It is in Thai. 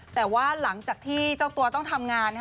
แต่ว่าหลังจากที่เจ้าตัวต้องทำงาน